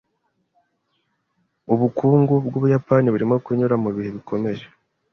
Ubukungu bwUbuyapani burimo kunyura mubihe bikomeye.